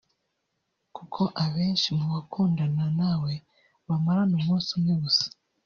kuko abenshi mu bakundana nawe bamarana umunsi umwe gusa